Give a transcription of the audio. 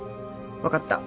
分かった。